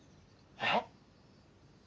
えっ？